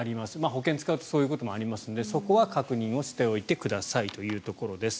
保険を使うとそういうこともありますのでそこは確認しておいてくださいということです。